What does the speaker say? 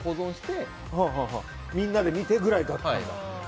みんなで見てぐらいだったんだ。